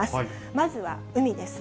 まずは海です。